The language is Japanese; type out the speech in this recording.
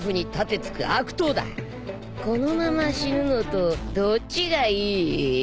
このまま死ぬのとどっちがいい？